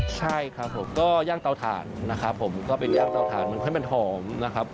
ใช่ครับผมก็ย่างเตาถ่านนะครับผมก็เป็นย่างเตาถ่านให้มันหอมนะครับ